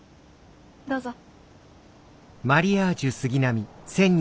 どうぞ。